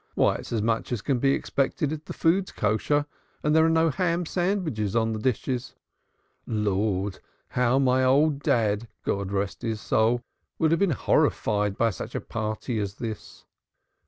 Why, it's as much as can be expected if the food's kosher, and there's no ham sandwiches on the dishes. Lord! how my old dad, God rest his soul, would have been horrified by such a party as this!"